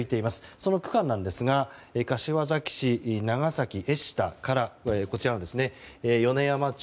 その区間なんですが柏崎市長崎江下から米山町